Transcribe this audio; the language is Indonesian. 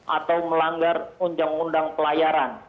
atau melanggar undang undang pelayaran